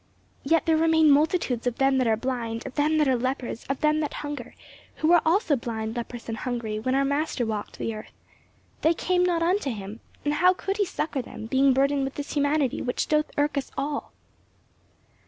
Yet there remain multitudes of them that are blind, of them that are lepers, of them that hunger, who were also blind, leprous, and hungry, when our Master walked the earth. They came not unto him, and how could he succor them, being burdened with this humanity which doth irk us all?"